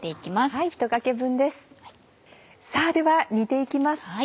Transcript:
さぁでは煮て行きます。